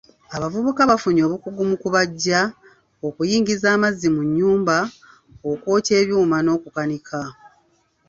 Abavubuka bafunye obukugu mu kubajja, okuyingiza amazzi mu nnyumba, okwokya ebyuma n'okukanika.